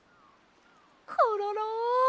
コロロ！